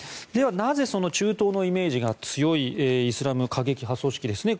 ではなぜ中東のイメージが強いイスラム過激派組織